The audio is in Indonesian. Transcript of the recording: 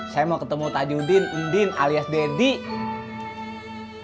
saya mau ketemu tajudin undin alias deddy